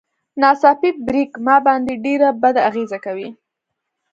ناڅاپي بريک ما باندې ډېره بده اغېزه کوي.